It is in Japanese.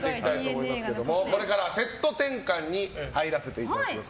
これからセット転換に入らせていただきます。